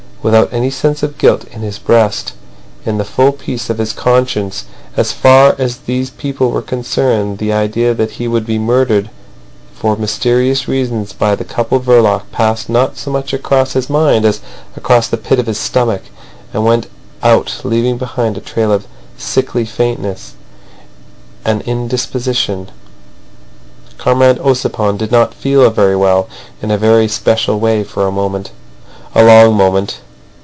Without any sense of guilt in his breast, in the full peace of his conscience as far as these people were concerned, the idea that he would be murdered for mysterious reasons by the couple Verloc passed not so much across his mind as across the pit of his stomach, and went out, leaving behind a trail of sickly faintness—an indisposition. Comrade Ossipon did not feel very well in a very special way for a moment—a long moment.